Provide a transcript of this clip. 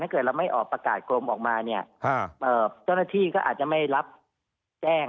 ถ้าเกิดเราไม่ออกประกาศโดยออกมาเนี้ยค่ะเอ่อจ้อนาทีก็อาจจะไม่รับแจ้ง